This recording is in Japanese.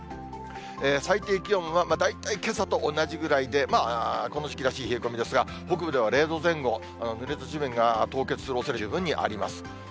最低気温は大体けさと同じぐらいで、この時期らしい冷え込みですが、北部では０度前後、ぬれた地面が凍結するおそれ、十分にあります。